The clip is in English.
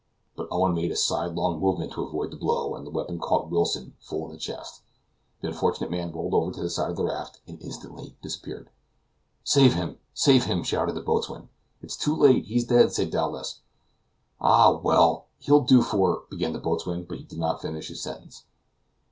But Owen made a sidelong movement to avoid the blow, and the weapon caught Wilson full in the chest. The unfortunate man rolled over the side of the raft and instantly disappeared. "Save him! save him!" shouted the boatswain. "It's too late; he's dead!" said Dowlas. "Ah, well! he'll do for " began the boatswain; but he did not finish his sentence.